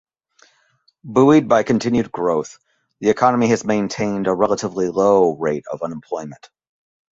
Buoyed by continued growth, the economy has maintained a relatively low rate of unemployment.